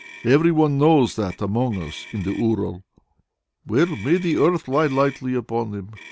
Every one knows that among us in the Ural." "Well, may the earth lie lightly upon them."